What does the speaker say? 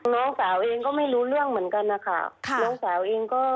ไม่น่าจะเอาเราไปพูดเฉาในทางเสียหายอย่างนี้ค่ะ